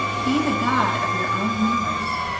Be the god of your own universe!